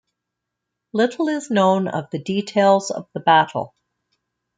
Little is known of the details of the battle.